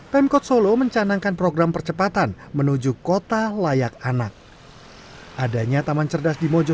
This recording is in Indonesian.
pemkot solo mencanangkan program percepatan menuju kota layak anak adanya taman cerdas di mojo